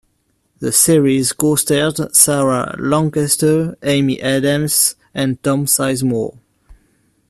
The series co-starred Sarah Lancaster, Amy Adams, and Tom Sizemore.